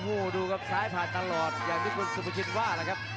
โอ้โหดูครับซ้ายผ่านตลอดอย่างที่คุณสุภาชินว่าแหละครับ